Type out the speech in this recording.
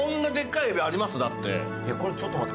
いやこれちょっと待って。